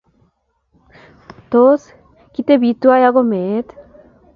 Tos kitebii tuwai agoi meet?